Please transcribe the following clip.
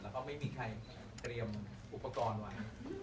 แล้วก็ไม่มีใครเตรียมอุปกรณ์ไว้